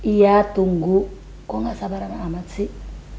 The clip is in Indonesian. iya tunggu kok gak sabar amat sih